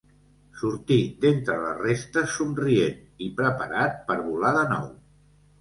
Sortí d'entre les restes somrient, i preparat per volar de nou.